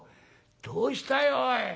どうしたよおい。